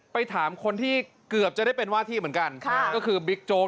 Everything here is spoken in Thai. ไปถามคนที่เกือบจะได้เป็นว่าที่เหมือนกันก็คือบิ๊กโจ๊ก